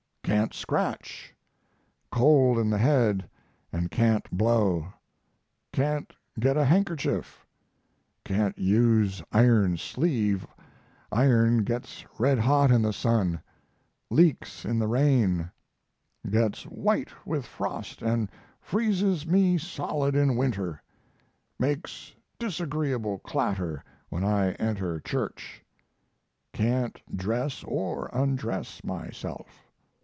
Can't scratch. Cold in the head and can't blow. Can't get a handkerchief; can't use iron sleeve; iron gets red hot in the sun; leaks in the rain; gets white with frost and freezes me solid in winter; makes disagreeable clatter when I enter church. Can't dress or undress myself.